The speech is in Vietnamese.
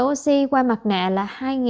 thở oxy qua mặt nạ là hai sáu trăm một mươi bảy